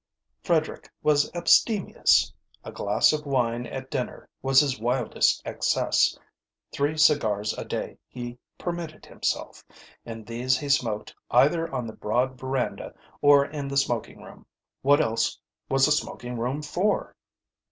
Frederick was abstemious. A glass of wine at dinner was his wildest excess. Three cigars a day he permitted himself, and these he smoked either on the broad veranda or in the smoking room. What else was a smoking room for?